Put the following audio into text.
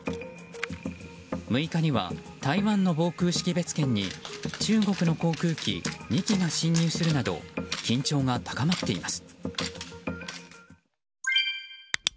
６日には台湾の防空識別圏に中国の航空機２機が侵入するなど緊張が高まっています。